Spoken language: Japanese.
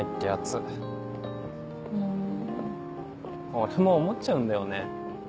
俺も思っちゃうんだよね。